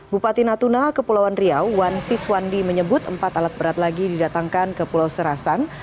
bupati natuna kepulauan riau wan siswandi menyebut empat alat berat lagi didatangkan ke pulau serasan